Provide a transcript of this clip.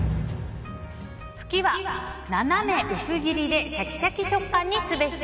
フキは斜め薄切りでシャキシャキ食感にすべし。